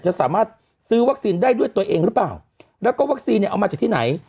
จะสามารถซื้อวัคซีนได้ด้วยตัวเองหรือเปล่าแล้วก็วัคซีนเนี่ยเอามาจากที่ไหน